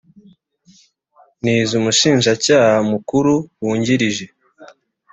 n iz umushinjacyaha mukuru wungirije